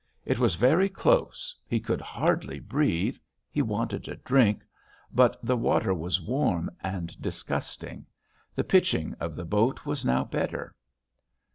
It was very close, he could hardly breathe, he wanted a drink, but the water was warm and disgusting.... The pitching of the boat was now better.